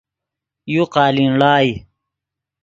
یو قالین ڑائے